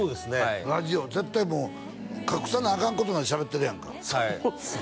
ラジオ絶対隠さなアカンことまでしゃべってるやんかはいそうですね